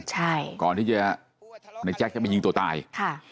ใช่ก่อนที่จะในแจ๊คจะมายิงตัวตายค่ะ